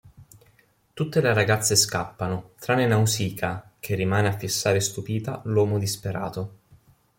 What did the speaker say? Tutte le ragazze scappano tranne Nausicaa che rimane a fissare stupita l'uomo disperato.